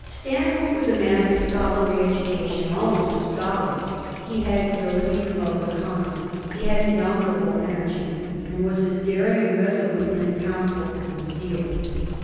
Stanhope was a man of scholarly education, almost a scholar; he had abilities above the common ; he had indomitable energy, and was as daring and resolute in the council as in the field.